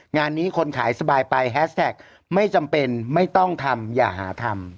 งานนี้คนขายสบายไปแฮสแท็กไม่จำเป็นไม่ต้องทำอย่าหาทำ